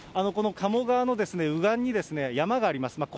この鴨川の右岸に、山があります。